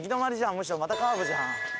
むしろまたカーブじゃん。